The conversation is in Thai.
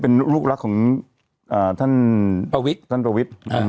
เป็นลูกลักษณ์ของท่านพวิทธิ์